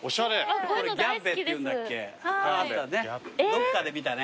どっかで見たね。